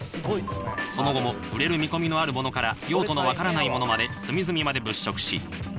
その後も売れる見込みあるものから、用途の分からないものまで隅々まで物色し。